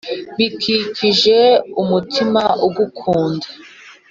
bikikije umutima ugukunda".